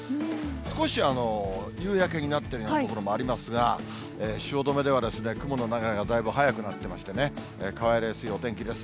少し、夕焼けになっているような所もありますが、汐留では、雲の流れがだいぶ早くなっていましてね、変わりやすいお天気です。